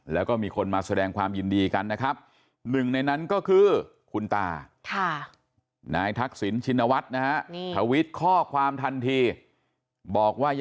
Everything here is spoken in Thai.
แล้วก็มีคนมาแสดงความยินดีกันนะครับ